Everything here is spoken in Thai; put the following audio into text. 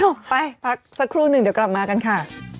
ไปพักสักครู่หนึ่งเดี๋ยวกลับมากันค่ะ